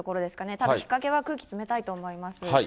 たぶん日陰は空気冷たいと思います。